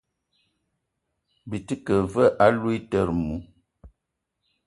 Byi te ke ve aloutere mou ?